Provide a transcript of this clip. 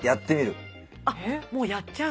あっもうやっちゃう？